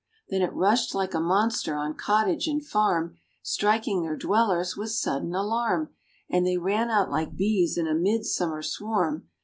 Then it rushed like a monster on cottage and farm, Striking their dwellers with sudden alarm; And they ran out like bees in a midsummer swarm.